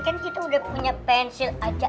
kan kita udah punya pensil aja